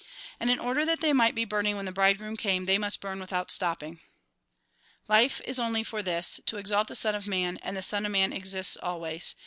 And in order that they might be burning when the bridegroom came, they must burn without stopping. " Life is only for this, to exalt the Son of Man, and the Son of Man exists always.